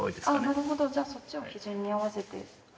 なるほど、じゃあそっちを基準に合わせて。